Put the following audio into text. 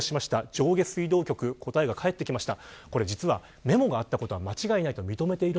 上下水道局答えが返ってきました。